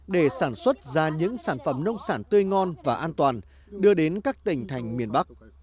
để sản xuất ra những sản phẩm nông sản tươi ngon và an toàn đưa đến các tỉnh thành miền bắc